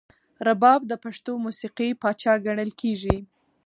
رباب د پښتو موسیقۍ پاچا ګڼل کیږي.